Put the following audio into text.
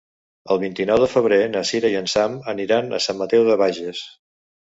El vint-i-nou de febrer na Cira i en Sam aniran a Sant Mateu de Bages.